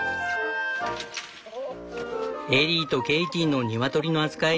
エリーとケイティのニワトリの扱い